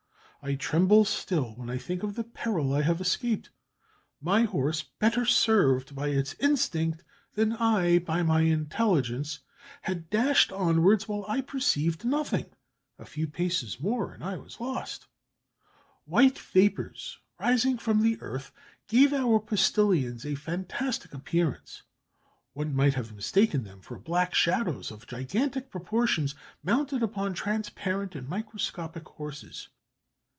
I tremble still when I think of the peril I have escaped; my horse, better served by its instinct than I by my intelligence, had dashed onwards, while I perceived nothing: a few paces more and I was lost! "White vapours, rising from the earth, gave our postillions a fantastic appearance; one might have mistaken them for black shadows of gigantic proportions, mounted upon transparent and microscopic horses.